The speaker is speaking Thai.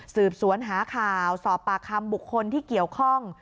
สืบสวนหาข่าวสอบปากคำบุคคลที่เกี่ยวข้อง